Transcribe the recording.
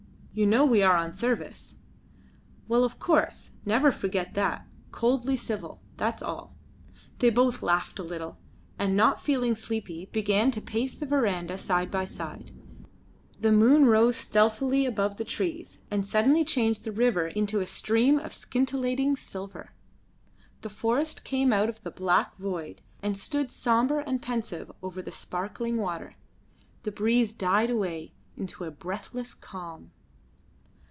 You know we are on service." "Well, of course. Never forget that. Coldly civil. That's all." They both laughed a little, and not feeling sleepy began to pace the verandah side by side. The moon rose stealthily above the trees, and suddenly changed the river into a stream of scintillating silver. The forest came out of the black void and stood sombre and pensive over the sparkling water. The breeze died away into a breathless calm.